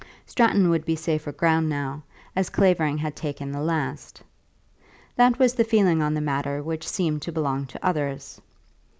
Stratton would be safer ground now, as Clavering had taken the last. That was the feeling on the matter which seemed to belong to others.